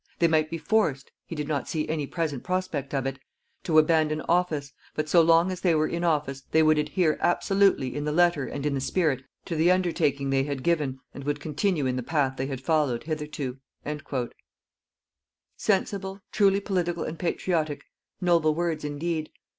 They might be forced he did not see any present prospect of it to abandon office, but so long as they were in office they would adhere absolutely in the letter and in the spirit to the undertaking they had given and would continue in the path they had followed hitherto._" Sensible, truly political and patriotic, noble words, indeed.